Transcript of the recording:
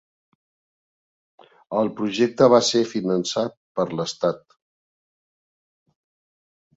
El projecte va ser finançat per l'Estat.